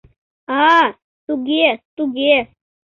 А-а... туге, туге...